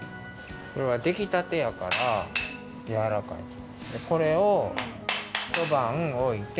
これはできたてやからやわらかい。